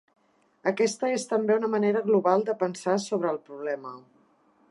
Aquesta és també una manera global de pensar sobre el problema.